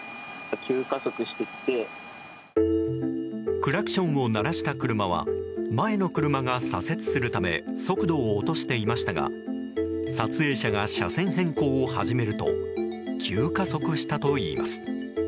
クラクションを鳴らした車は前の車が左折するため速度を落としていましたが撮影者が車線変更を始めると急加速したといいます。